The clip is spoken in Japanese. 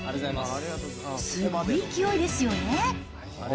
すごい勢いですよね。